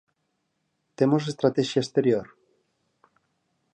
Temos estratexia exterior?